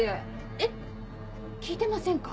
えっ聞いてませんか？